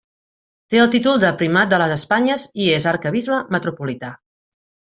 Té el títol de Primat de les Espanyes i és arquebisbe metropolità.